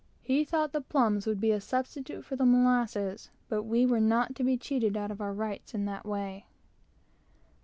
He thought the plums would be a substitute for the molasses, but we were not to be cheated out of our rights in this way.